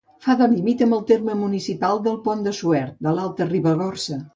Fa de límit amb el terme municipal del Pont de Suert, de l'Alta Ribagorça.